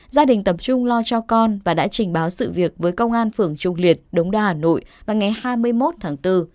gia đình tập trung lo cho con và đã trình báo sự việc với công an phường trung liệt đống đa hà nội vào ngày hai mươi một tháng bốn